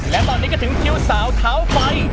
และตอนนี้ก็ถึงคิวสาวเท้าไฟ